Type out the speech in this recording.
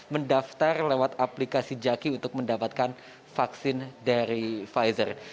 mendaftar lewat aplikasi jaki untuk mendapatkan vaksin dari pfizer